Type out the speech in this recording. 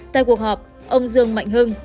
tại cuộc họp ông dương mạnh hưng